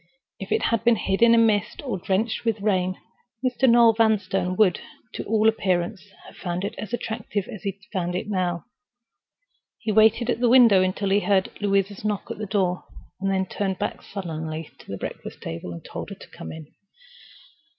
If it had been hidden in mist or drenched with rain, Mr. Noel Vanstone would, to all appearance, have found it as attractive as he found it now. He waited at the window until he heard Louisa's knock at the door, then turned back sullenly to the breakfast table and told her to come in.